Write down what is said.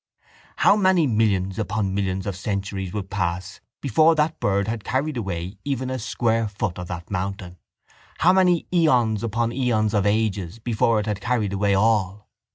How many millions upon millions of centuries would pass before that bird had carried away even a square foot of that mountain, how many eons upon eons of ages before it had carried away all?